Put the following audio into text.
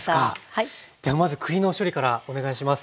ではまず栗の処理からお願いします。